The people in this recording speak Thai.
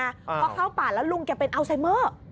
พอเข้าป่าแล้วลุงแกเป็นอัลไซเมอร์